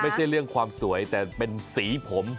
ไม่ใช่เรื่องความสวยแต่เป็นสีผม